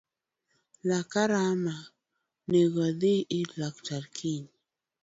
Laka rama nego adhii ir laktar kiny